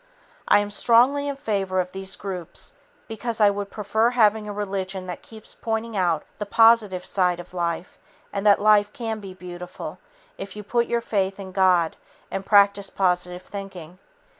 I am strongly in favor of these groups because I would prefer having a religion that keeps pointing out the positive side of life and that "life can be beautiful" if you put your faith in God and practice positive thinking.